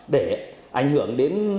để ảnh hưởng đến